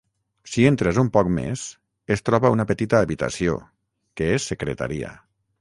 Si entres un poc més, es troba una petita habitació, que és secretaria.